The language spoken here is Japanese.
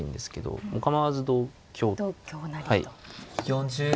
４０秒。